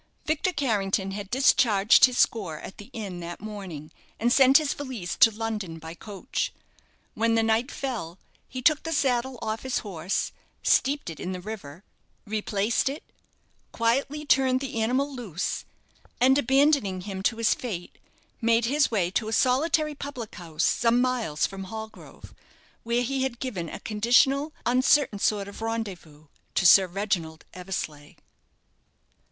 Victor Carrington had discharged his score at the inn that morning, and sent his valise to London by coach. When the night fell, he took the saddle off his horse, steeped it in the river, replaced it, quietly turned the animal loose, and abandoning him to his fate, made his way to a solitary public house some miles from Hallgrove, where he had given a conditional, uncertain sort of rendezvous to Sir Reginald Eversleigh.